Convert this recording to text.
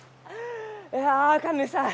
いや神主さん